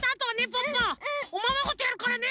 ポッポおままごとやるからね！